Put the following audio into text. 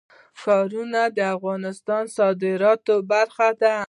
ښارونه د افغانستان د صادراتو برخه ده.